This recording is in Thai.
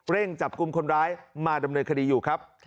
จับกลุ่มคนร้ายมาดำเนินคดีอยู่ครับ